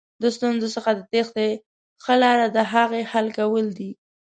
د ستونزې څخه د تېښتې ښه لاره دهغې حل کول دي.